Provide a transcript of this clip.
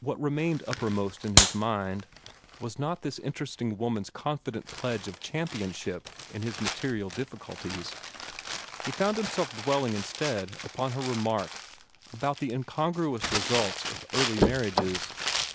What remained uppermost in his mind was not this interesting woman's confident pledge of championship in his material difficulties. He found himself dwelling instead upon her remark about the incongruous results of early marriages.